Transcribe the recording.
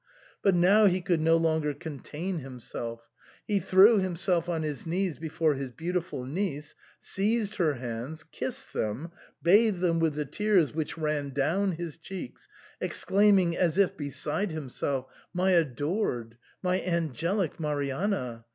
But now he could no longer contain himself ; he threw himself on his knees before his beautiful niece, seized her hands, kissed them, bathed them with the tears which ran down his cheeks, exclaiming as if beside himself, "My adored, my angelic Marianna!